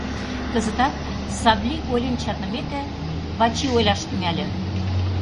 Кызытат, Савли ойлен чарнымеке, Вачи ойлаш тӱҥале: